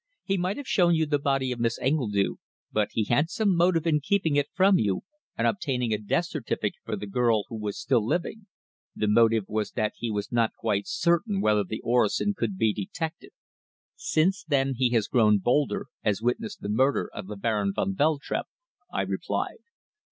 He might have shown you the body of Miss Engledue, but he had some motive in keeping it from you, and obtaining a death certificate for the girl who was still living." "The motive was that he was not quite certain whether the orosin could be detected. Since then he has grown bolder, as witness the murder of the Baron van Veltrup," I replied.